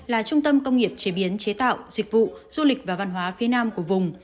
là trung tâm công nghiệp chế biến chế tạo dịch vụ du lịch và văn hóa phía nam của vùng